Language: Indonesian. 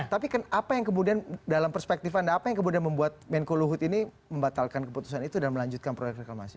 tapi apa yang kemudian dalam perspektif anda apa yang kemudian membuat menko luhut ini membatalkan keputusan itu dan melanjutkan proyek reklamasi